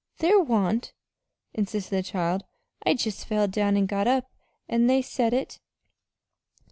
"There wa'n't," insisted the child. "I jest felled down an' got up, an' they said it."